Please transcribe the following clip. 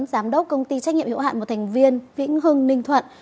giám đốc công ty trách nhiệm hiệu hạn một thành viên vĩnh hưng ninh thuận